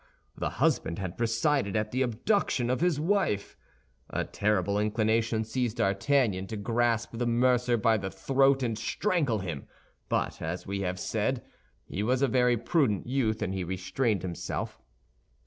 The husband had presided at the abduction of his wife. A terrible inclination seized D'Artagnan to grasp the mercer by the throat and strangle him; but, as we have said, he was a very prudent youth, and he restrained himself.